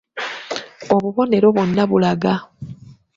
Obubonero bwonna bulaga